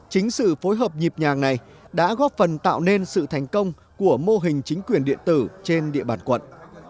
chính sự phối hợp nhịp nhàng này đã góp phần tạo nên sự thành công của mô hình chính quyền điện tử trên địa bàn quận